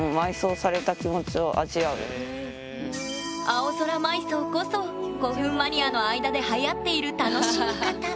青空埋葬こそ古墳マニアの間ではやっている楽しみ方。